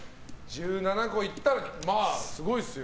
１７個いったらすごいですよ。